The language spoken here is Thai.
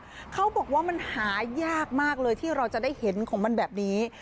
เขาบอกว่ามันหายากมากเลยที่เราจะได้เห็นของมันแบบนี้